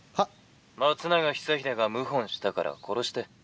「松永久秀が謀反したから殺して」。